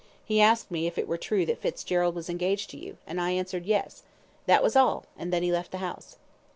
He asked me if it were true that Fitzgerald was engaged to you, and I answered 'Yes.' That was all, and then he left the house."